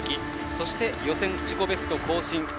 そして予選自己ベスト更新。